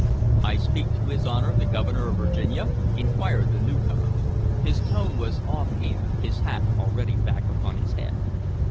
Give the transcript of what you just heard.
"I speak to his Honor the Governor of Virginia?" inquired the newcomer. His tone was offhand, his hat already back upon his head.